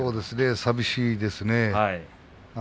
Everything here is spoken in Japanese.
寂しいですね。